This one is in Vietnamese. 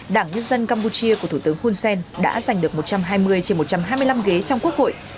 đảng nhân dân campuchia của thủ tướng hun sen đã giành được một trăm hai mươi trên một trăm hai mươi năm ghế trong quốc hội